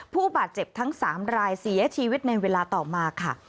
ผู้บาดเจ็บทั้ง๓รายเสียชีวิตในเวลาต่อมาค่ะ